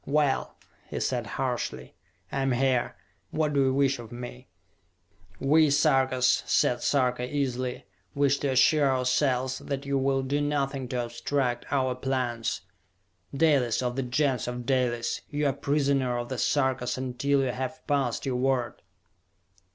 "Well," he said harshly, "I am here! What do you wish of me?" "We Sarkas," said Sarka easily, "wish to assure ourselves that you will do nothing to obstruct our plans! Dalis, of the Gens of Dalis, you are prisoner of the Sarkas until you have passed your word!"